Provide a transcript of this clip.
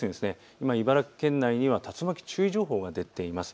今、茨城県内には竜巻注意情報が出ています。